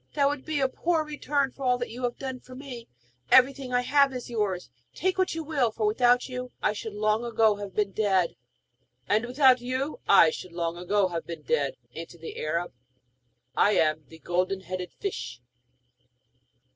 'That would be a poor return for all that you have done for me! Everything I have is yours; take what you will, for without you I should long ago have been dead!' 'And without you, I should long ago have been dead,' answered the Arab. 'I am the Golden headed Fish.'